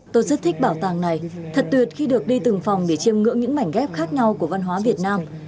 tôi rất thích bảo tàng này thật tuyệt khi được đi từng phòng để chiêm ngưỡng những mảnh ghép khác nhau của văn hóa việt nam